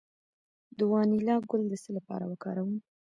د وانیلا ګل د څه لپاره وکاروم؟